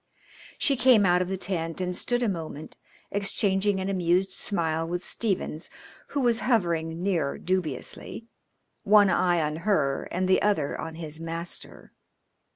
She came out of the tent and stood a moment exchanging an amused smile with Stephens, who was hovering near dubiously, one eye on her and the other on his master.